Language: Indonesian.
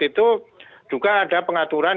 itu juga ada pengaturan